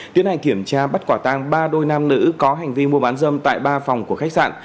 tiến hành kiểm tra bắt quả tang ba đôi nam nữ có hành vi mua bán dâm tại ba phòng của khách sạn